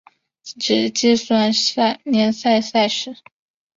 只计算联赛赛事。